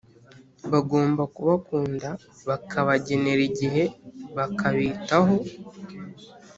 bagomba kubakunda bakabagenera igihe bakabitaho